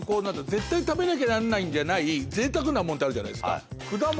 絶対食べなきゃなんないんじゃないぜいたくなモノってあるじゃないですか。